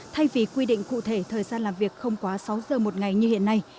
thay vì quy định cụ thể thời gian làm việc không quá sáu giờ một ngày như hiện nay